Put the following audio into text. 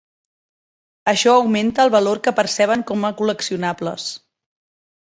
Això augmenta el valor que perceben com a col·leccionables.